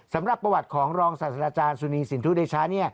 สำหรับประวัติของรองศาสตราจารย์สุนีสินทุเดชะ